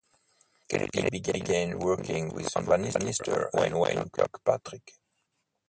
Kennedy began working with Brown Bannister and Wayne Kirkpatrick.